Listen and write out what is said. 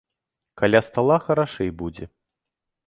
Каля стала харашэй будзе!